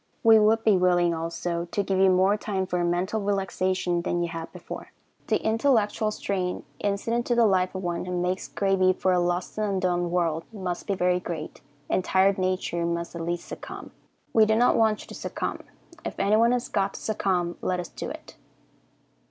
We would be willing, also, to give you more time for mental relaxation than you had before. The intellectual strain incident to the life of one who makes gravy for a lost and undone world must be very great, and tired nature must at last succumb. We do not want you to succumb. If anyone has got to succumb, let us do it.